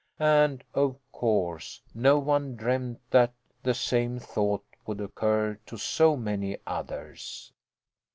And of course no one dreamed that the same thought would occur to so many others.